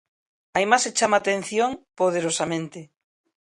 A imaxe chama a atención poderosamente.